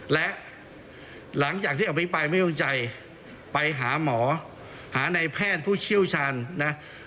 และหลังจากที่เอาไปไปไม่ต้องใจไปหาหมอหาในแพทย์ผู้ชิ้วชัน